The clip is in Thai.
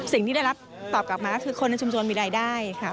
สิ่งที่ได้รับตอบกลับมาก็คือคนในชุมชนมีรายได้ค่ะ